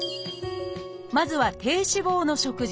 まずは「低脂肪の食事」。